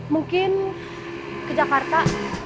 mungkin ke jakarta